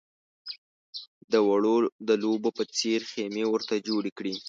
د وړو د لوبو په څېر خېمې ورته جوړې کړې.